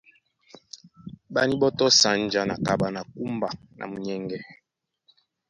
Ɓá níɓɔ́tɔ́ sanja na kaɓa na kúmba na munyɛŋgɛ.